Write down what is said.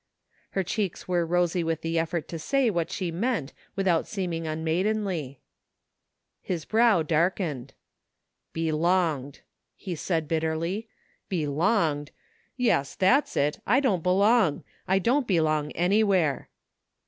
Her cheeks were rosy with the effort to say what she meant without seeming unmaidenly. His brow darkened. " Belonged !" he said bitterly. " Belonged ! Yes, that's it. I don't belong! I don't belong anywhere!